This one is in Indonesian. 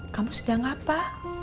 kamu sedang apa